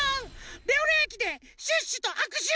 レオレオえきでシュッシュとあくしゅ！